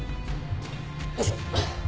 よいしょ。